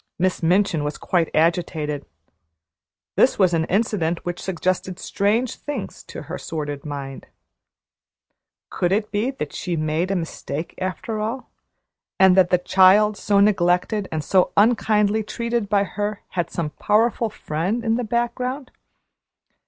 Miss Minchin was quite agitated. This was an incident which suggested strange things to her sordid mind. Could it be that she had made a mistake after all, and that the child so neglected and so unkindly treated by her had some powerful friend in the background?